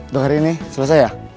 untuk hari ini selesai ya